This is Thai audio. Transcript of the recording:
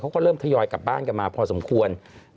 เขาก็เริ่มทยอยกลับบ้านกันมาพอสมควร